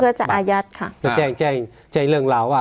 เพื่อจะอายัดค่ะเพื่อแจ้งแจ้งแจ้งเรื่องราวว่า